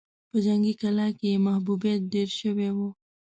په جنګي کلا کې يې محبوبيت ډېر شوی و.